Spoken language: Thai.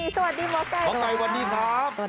สวัสดีหมอไก่สวัสดีครับ